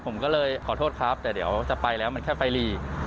ผมก็เลยขอโทษครับแต่เดี๋ยวจะไปแล้วมันแค่ไฟหลี